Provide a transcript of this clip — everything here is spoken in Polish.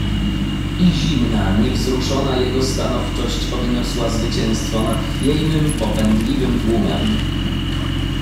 "I zimna, niewzruszona jego stanowczość odniosła zwycięstwo nad chwiejnym, popędliwym tłumem."